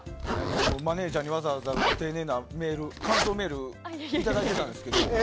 マネジャーにわざわざ丁寧な感想メールをいただいてたんですけど。